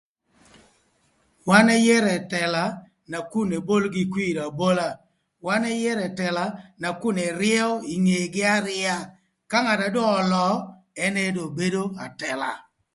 Wan ëyërö ëtëla nakun eboligï kwir abola, wan ëyërö ëtëla nakun ëryëö ï ngegï aryëa. Ka dong ölöö ënë dong bedo atëla.